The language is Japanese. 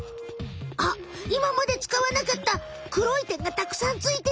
あっいままで使わなかったくろい点がたくさんついてるいた。